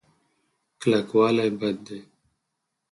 کلکوالی بد دی.